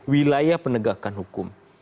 wilayah penegakan hukum